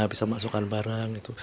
bisa memasukkan barang itu